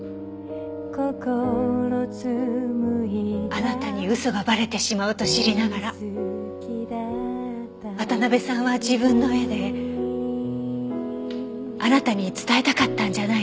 あなたに嘘がバレてしまうと知りながら渡辺さんは自分の絵であなたに伝えたかったんじゃないでしょうか。